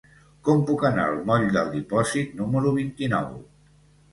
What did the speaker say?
Com puc anar al moll del Dipòsit número vint-i-nou?